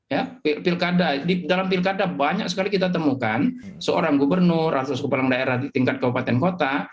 ya dalam pilkada banyak sekali kita temukan seorang gubernur atau seorang kepala daerah di tingkat kabupaten kota